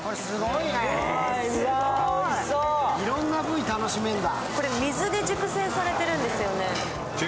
いろんな部位楽しめるんだ。